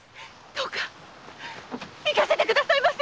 どうか行かせてくださいませ！